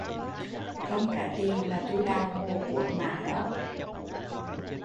Không trả tiền là tui đào mồ cuốc mả đó!